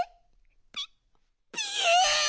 ぴぴえ！